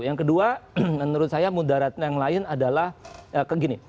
yang kedua menurut saya mudarat yang lain adalah kayak gini